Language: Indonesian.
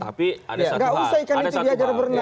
tidak usah ikan itu diajar berenang